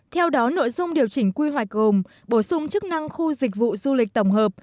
theo đó nội dung điều chỉnh quy hoạch gồm bổ sung chức năng khu dịch vụ du lịch tổng hợp